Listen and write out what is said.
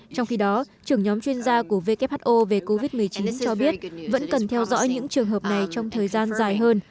trong khi đó trưởng nhóm chuyên gia của who về covid một mươi chín cho biết vẫn cần theo dõi những trường hợp này trong thời gian dài hơn